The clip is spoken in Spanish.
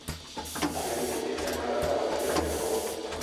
A menudo es llamada la batalla de Naboo.